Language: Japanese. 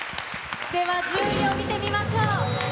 では、順位を見てみましょう。